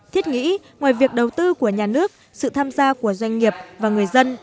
thiết nghĩ ngoài việc đầu tư của nhà nước sự tham gia của doanh nghiệp và người dân